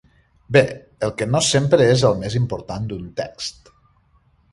Bé, el què no sempre és el més important d'un text.